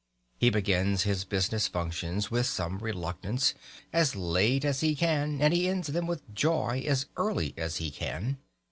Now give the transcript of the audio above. He begins his business functions with some reluctance, as late as he can, and he ends them with joy, as early as he can.